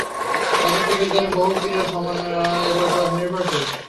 পদার্থ-বিজ্ঞানে বহু ক্রিয়া সময়ের উপর নির্ভরশীল।